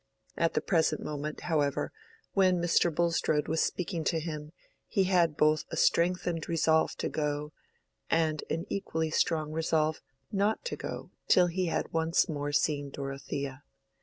At the present moment, however, when Mr. Bulstrode was speaking to him, he had both a strengthened resolve to go and an equally strong resolve not to go till he had once more seen Dorothea.